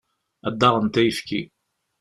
Ad d-aɣent ayefki.